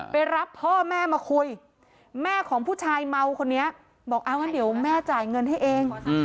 ไปรับพ่อแม่มาคุยแม่ของผู้ชายเมาคนนี้บอกเอางั้นเดี๋ยวแม่จ่ายเงินให้เอง